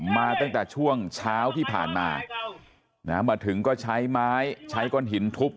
มาตั้งแต่ช่วงเช้าที่ผ่านมามาถึงก็ใช้ไม้ใช้ก้อนหินทุบ